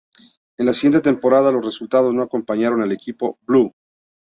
En la siguiente temporada los resultados no acompañaron al equipo "blue".